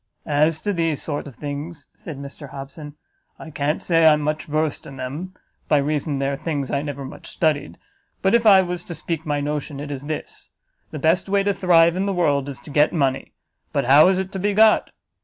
"As to these sort of things," said Mr Hobson, "I can't say I am much versed in them, by reason they are things I never much studied; but if I was to speak my notion, it is this; the best way to thrive in the world is to get money; but how is it to be got?